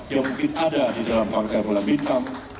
yang mungkin ada di dalam partai bola bintang